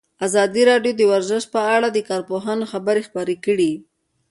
ازادي راډیو د ورزش په اړه د کارپوهانو خبرې خپرې کړي.